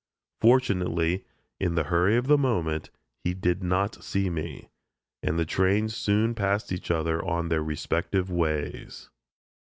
Fortunately, in the hurry of the moment, he did not see me; and the trains soon passed each other on their respective ways.